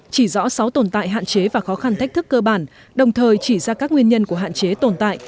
chỉ rõ sáu tồn tại hạn chế và khó khăn thách thức cơ bản đồng thời chỉ ra các nguyên nhân của hạn chế tồn tại